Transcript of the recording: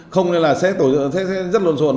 không thì là sẽ rất lộn xộn